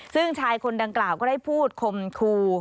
ซึ่งชายคนดังกล่าวก็ได้พูดคมครู